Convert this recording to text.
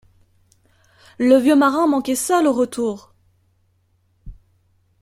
Le vieux marin manquait seul au retour!